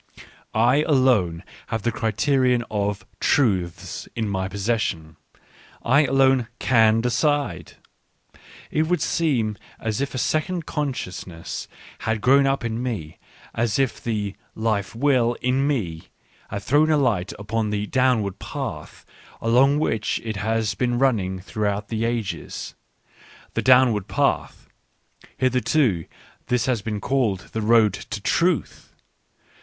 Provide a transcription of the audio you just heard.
I alone have the criterion of " truths " in my possession. I alone can decide. It would seem as if a second consciousness had grown up in me, as if the " life will " in me had thrown a light upon the downward path along which it has been running throughout the ages. The downward path — hitherto this had been called the road to " Truth."